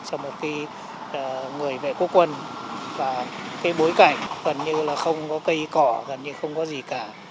cho một cái người vệ quốc quân và cái bối cảnh gần như là không có cây cỏ gần như không có gì cả